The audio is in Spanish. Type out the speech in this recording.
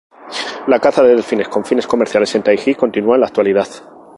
La caza de delfines con fines comerciales en Taiji continúa en la actualidad.